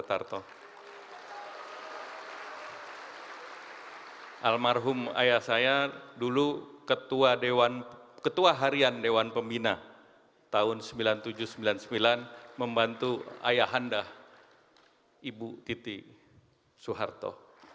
almarhum ayah saya dulu ketua harian dewan pembina tahun seribu sembilan ratus sembilan puluh tujuh sembilan puluh sembilan membantu ayah handa ibu titi soeharto